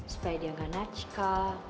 supaya dia gak nacikal